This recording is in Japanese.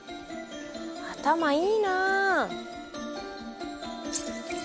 頭いいな。